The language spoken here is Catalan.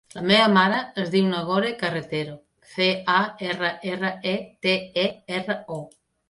La meva mare es diu Nagore Carretero: ce, a, erra, erra, e, te, e, erra, o.